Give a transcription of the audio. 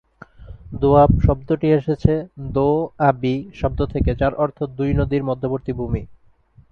দোয়াব শব্দটি এসেছে "দো আবি" শব্দ থেকে যার অর্থ "দুই নদীর মধ্যবর্তী ভূমি"।